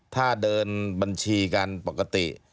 ถ้าเดินบัญชีกันปกติ